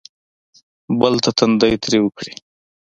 بل ته تندی تریو کړي.